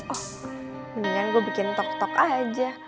oh mendingan gue bikin tok tok aja